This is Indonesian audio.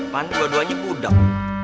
kan dua duanya budak